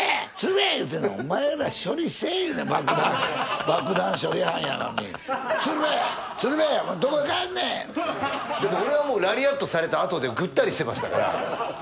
だって俺はラリアットされたあとでぐったりしてましたから。